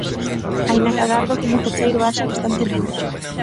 Aínda que agardo que no terceiro haxa bastante menos.